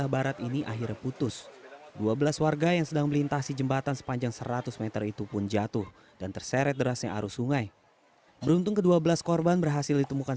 para korban selamat langsung ditemukan